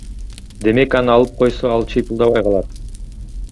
Демек аны алып койсо ал чыйпылдабай калат.